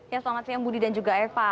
ya selamat siang budi dan juga eva